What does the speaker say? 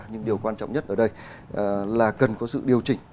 nhưng điều quan trọng nhất ở đây là cần có sự điều chỉnh